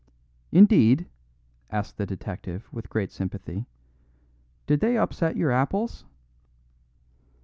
"Indeed?" asked the detective, with great sympathy. "Did they upset your apples?"